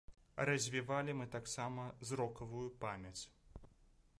Развівалі мы таксама зрокавую памяць.